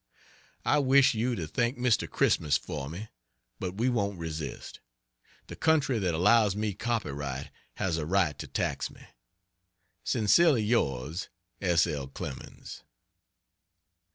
I wish you to thank Mr. Christmas for me; but we won't resist. The country that allows me copyright has a right to tax me. Sincerely Yours S. L. CLEMENS.